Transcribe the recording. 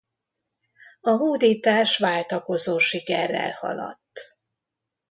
A hódítás váltakozó sikerrel haladt.